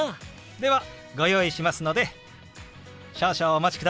ではご用意しますので少々お待ちくださいね。